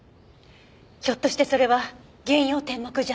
ひょっとしてそれは幻曜天目茶碗？